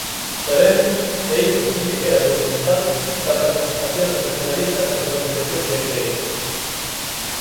Sabemos, e iso si que queda documentado, da participación dos nacionalistas nas organizacións guerrilleiras.